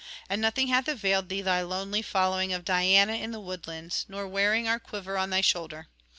and nothing hath availed thee thy lonely following of Diana in the woodlands, nor wearing our quiver on thy shoulder.